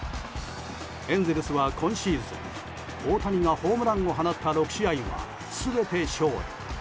エンゼルスは今シーズン大谷がホームランを放った６試合は全て勝利。